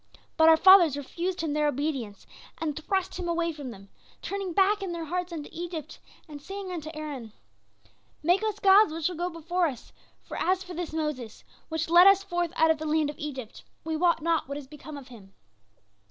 But our fathers refused him their obedience, and thrust him away from them, turning back in their hearts unto Egypt and saying unto Aaron: "'Make us gods which shall go before us, for as for this Moses, which led us forth out of the land of Egypt, we wot not what is become of him.